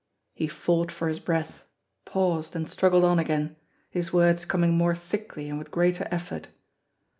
He fought for his breath, paused, and struggled on again, his words coming more thickly and with greater effort.